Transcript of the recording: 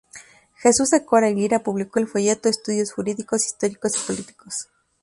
Jesús de Cora y Lira publicó el folleto "Estudios jurídicos, históricos y políticos.